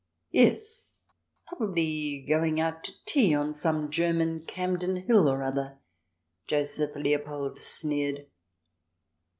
" Yes, probably going out to tea on some German Campden Hill or other," Joseph Leopold sneered.